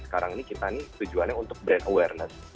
sekarang ini kita nih tujuannya untuk brand awareness